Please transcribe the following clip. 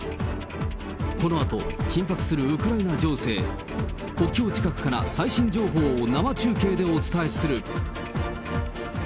このあと、緊迫するウクライナ情勢、国境近くから最新情報を生中継でお伝えする。